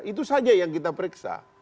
itu saja yang kita periksa